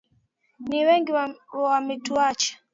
Ni wengi wametuacha.